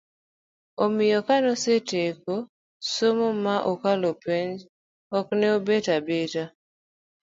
omiyo kane osetieko somo ma okalo penj, ok ne obet abeta